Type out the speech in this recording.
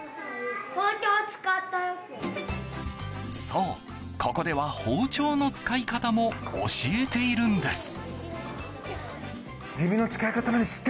そう、ここでは包丁の使い方も教えているんです。